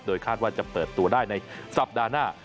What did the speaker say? คาดว่าจะเปิดตัวได้ในสัปดาห์หน้า